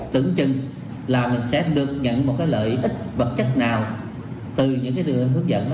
tưởng chừng là mình sẽ được nhận một lợi ích vật chất nào từ những cái hướng dẫn